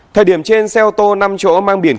thời điểm trên xe ô tô năm chỗ mang biển